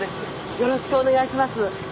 よろしくお願いします